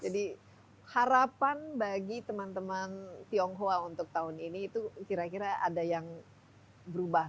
jadi harapan bagi teman teman tionghoa untuk tahun ini itu kira kira ada apa